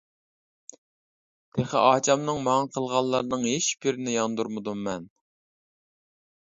تېخى ئاچامنىڭ ماڭا قىلغانلىرىنىڭ ھېچبىرىنى ياندۇرمىدىم مەن.